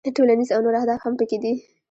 ټولنیز او نور اهداف هم پکې دي.